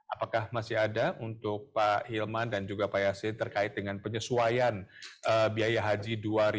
apakah masih ada untuk pak hilman dan juga pak yasin terkait dengan penyesuaian biaya haji dua ribu dua puluh